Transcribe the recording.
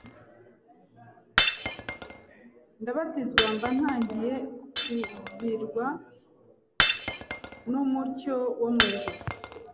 ndabatizwa mba ntangiye kuvirwa n’umucyo wo mu ijuru